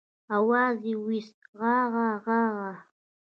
آواز يې واېست عاعاعا.